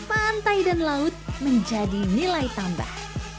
dan pemandangan pantai dan laut menjadi nilai tambah